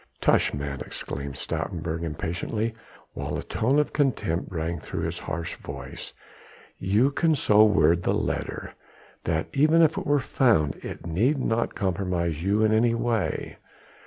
"Tush, man!" exclaimed Stoutenburg impatiently, while a tone of contempt rang through his harsh voice, "you can so word the letter that even if it were found it need not compromise you in any way.